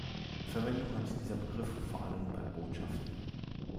Verwendung hat dieser Begriff vor allem bei Botschaften.